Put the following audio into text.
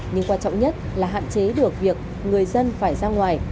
nhưng quan trọng nhất là hạn chế được việc người dân phải ra ngoài